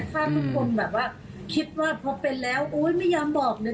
ถ้าทุกคนคิดว่าพอเป็นแล้วไม่ยอมบอกเลย